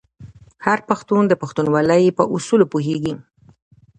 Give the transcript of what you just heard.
هر پښتون د پښتونولۍ په اصولو پوهیږي.